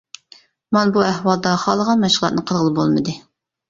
مانا بۇ ئەھۋالدا خالىغان مەشغۇلاتنى قىلغىلى بولمىدى.